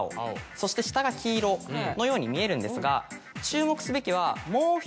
そして下が黄色のように見えるんですが注目すべきは。